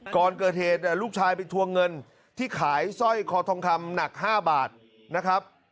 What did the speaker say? ก่อนเกิดเหตุลูกชายไปทวงเงินที่ขายสร้อยคอทองคำหนัก๕บาทนะครับ